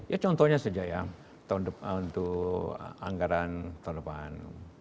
ya contohnya saja ya untuk anggaran tahun depan